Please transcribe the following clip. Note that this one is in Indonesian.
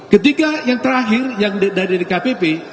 ketika yang terakhir yang dari dkpp